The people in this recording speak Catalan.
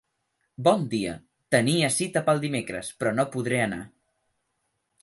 Bon dia, tenia cita pel dimecres, però no podré anar.